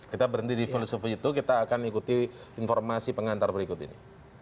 kita berhenti di filosofi itu kita akan ikuti informasi pengantar berikut ini